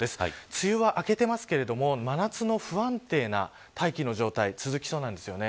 梅雨は明けていますが真夏の不安定な大気の状態が続きそうなんです。